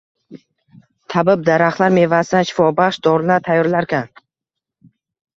tabib daraxtlar mevasidan shifobaxsh dorilar tayyorlarkan